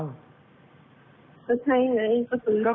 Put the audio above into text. ก็ใช่ไงก็ซื้อของไม่ได้ของ